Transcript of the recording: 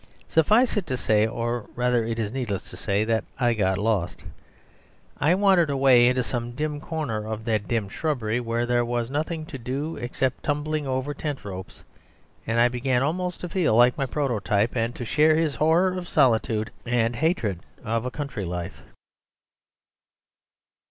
Suffice it to say, or rather it is needless to say, that I got lost. I wandered away into some dim corner of that dim shrubbery, where there was nothing to do except tumbling over tent ropes, and I began almost to feel like my prototype, and to share his horror of solitude and hatred of a country life.